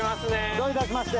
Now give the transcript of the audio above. どういたしまして。